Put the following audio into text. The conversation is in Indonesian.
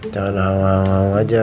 jangan awang awang aja